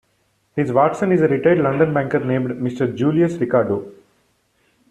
His "Watson" is a retired London banker named Mr. Julius Ricardo.